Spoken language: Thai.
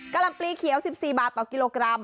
ลำปลีเขียว๑๔บาทต่อกิโลกรัม